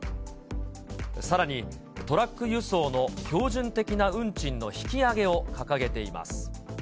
さらに、トラック輸送の標準的な運賃の引き上げを掲げています。